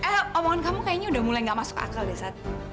eh omongan kamu kayaknya udah mulai gak masuk akal deh saat